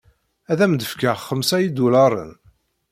Ad am-d-fkeɣ xemsa idularen.